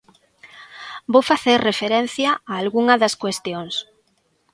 Vou facer referencia a algunha das cuestións.